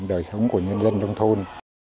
đời sống của nhân dân trong thôn